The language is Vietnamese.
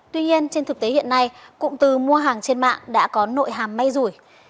tuy nhiên trên thực tế hiện nay cụm từ mua hàng trên mạng đã có nội hàm may rủi